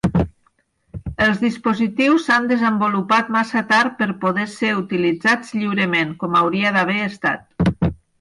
Els dispositius s'han desenvolupat massa tard per poder ésser utilitzats lliurement, com hauria d'haver estat.